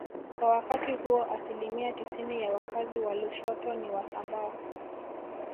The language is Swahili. Kwa wakati huo asilimia tisini ya wakazi wa Lushoto ni Wasambaa